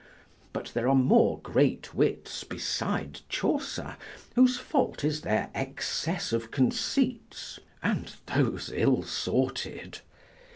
But there are more great wits, beside Chaucer, whose fault is their excess of conceits, and those ill sorted.